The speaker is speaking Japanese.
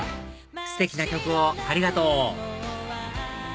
ステキな曲をありがとう！